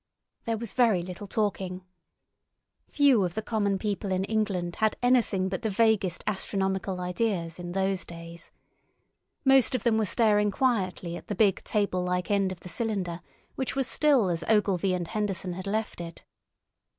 There was very little talking. Few of the common people in England had anything but the vaguest astronomical ideas in those days. Most of them were staring quietly at the big table like end of the cylinder, which was still as Ogilvy and Henderson had left it.